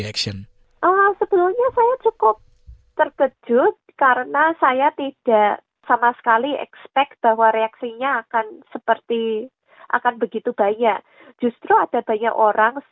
artinya dari empat hari